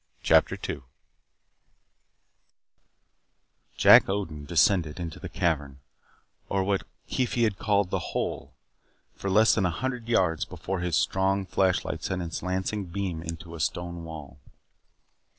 CHAPTER 2 Jack Odin descended into the cavern or what Keefe had called the Hole for less than a hundred yards before his strong flashlight sent its lancing beam into a stone wall.